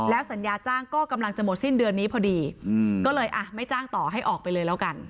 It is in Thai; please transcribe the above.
สัญญาจ้างก็กำลังจะหมดสิ้นเดือนนี้พอดีก็เลยอ่ะไม่จ้างต่อให้ออกไปเลยแล้วกัน